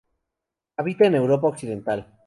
Habita en Europa occidental.